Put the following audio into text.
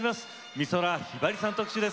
美空ひばりさん特集です。